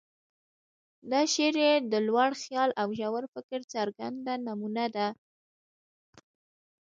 دا شعر یې د لوړ خیال او ژور فکر څرګنده نمونه ده.